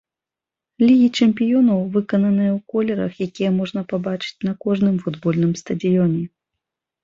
Лігі чэмпіёнаў, выкананая ў колерах, якія можна пабачыць на кожным футбольным стадыёне.